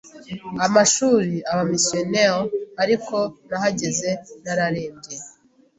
amashuri, aba missionaries, riko nahageze nararembye,